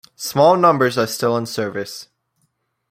Small numbers are still in service.